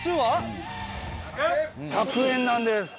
１００円なんです。